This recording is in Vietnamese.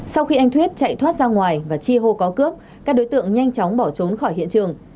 sau khi anh thuyết chạy thoát ra ngoài và chi hô có cướp các đối tượng nhanh chóng bỏ trốn khỏi hiện trường